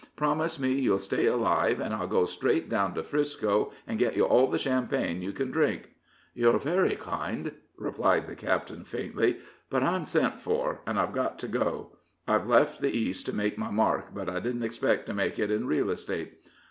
"Promise me you'll stay alive, and I'll go straight down to 'Frisco, and get you all the champagne you can drink." "You're very kind," replied the captain, faintly; "but I'm sent for, and I've got to go. I've left the East to make my mark, but I didn't expect to make it in real estate.